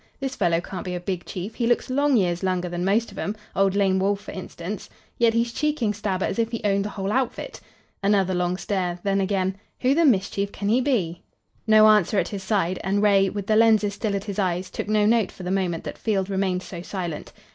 This fellow can't be a big chief. He looks long years younger than most of 'em, old Lame Wolf, for instance, yet he's cheeking Stabber as if he owned the whole outfit." Another long stare, then again "Who the mischief can he be?" No answer at his side, and Ray, with the lenses still at his eyes, took no note for the moment that Field remained so silent.